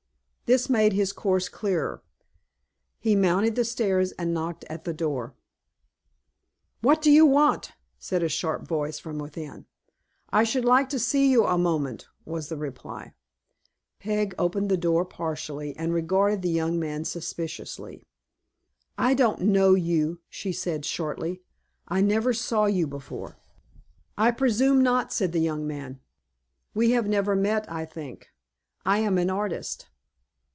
This made his course clearer. He mounted the stairs, and knocked at the door. "What do you want?" said a sharp voice from within. "I should like to see you a moment," was the reply. Peg opened the door partially, and regarded the young man suspiciously. "I don't know you," she said, shortly. "I never saw you before." "I presume not," said the young man. "We have never met, I think. I am an artist."